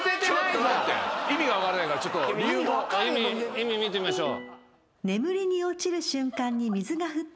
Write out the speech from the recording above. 意味見てみましょう。